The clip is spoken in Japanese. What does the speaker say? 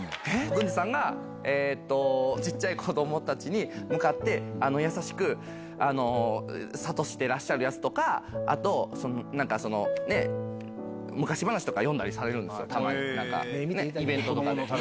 郡司さんが、ちっちゃい子どもたちに向かって、優しく諭してらっしゃるやつとか、あと、なんかその、昔話とか読んだりされるんですよ、たまに、なんか、イベントとかで。